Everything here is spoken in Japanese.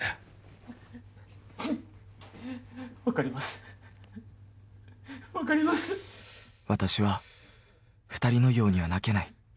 私は２人のようには泣けない。